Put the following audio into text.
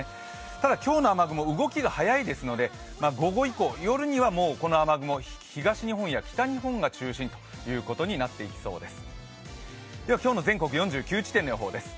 ただ今日の雨雲、動きが早いですので午後以降、夜にはこの雨雲、東日本や北日本が中心になっていきそうです。